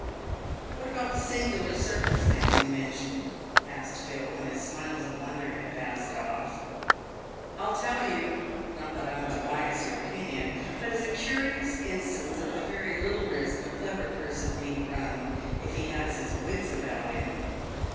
" What about the singular circumstance you mentioned ?" asked Phil, when his smiles of wonder had passed off. " I'll tell you — not that I want to bias your opinion, but as a curious instance of the very little risk a clever person need run if he has his wits about him.